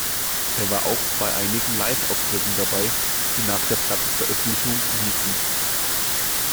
Er war auch bei einigen Live-Auftritten dabei, die nach der Plattenveröffentlichung liefen.